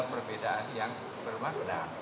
perbedaan yang bermakna